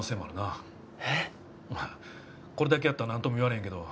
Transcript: これだけやったらなんとも言われへんけど。